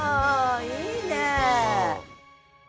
いいねえ。